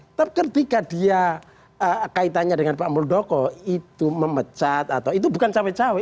tapi ketika dia kaitannya dengan pak muldoko itu memecat atau itu bukan cawe cawe